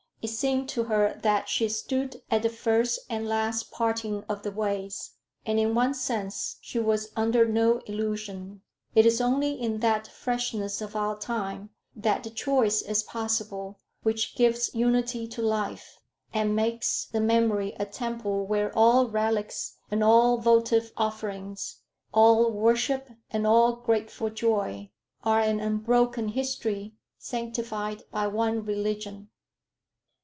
It seemed to her that she stood at the first and last parting of the ways. And, in one sense she was under no illusion. It is only in that freshness of our time that the choice is possible which gives unity to life, and makes the memory a temple where all relics and all votive offerings, all worship and all grateful joy, are an unbroken history sanctified by one religion.